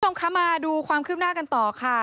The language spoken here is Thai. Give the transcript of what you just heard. คุณผู้ชมคะมาดูความคืบหน้ากันต่อค่ะ